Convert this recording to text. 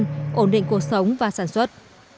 khó khăn ổn định cuộc sống và sản xuất